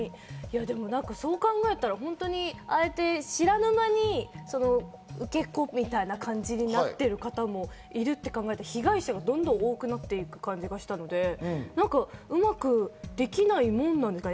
でも、なんかそう考えたら、知らぬ間に受け子みたいな感じになってる方もいるって考えると、被害者がどんどん多くなっていく感じがしたので、うまくできないもんなんですかね？